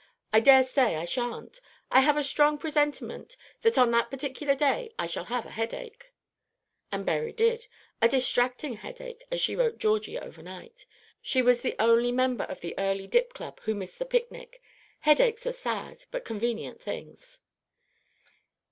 "I dare say I sha'n't. I have a strong presentiment that on that particular day I shall have a headache." And Berry did, a "distracting" headache, as she wrote Georgie over night. She was the only member of the Early Dip Club who missed the picnic. Headaches are sad but convenient things.